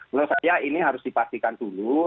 menurut saya ini harus dipastikan dulu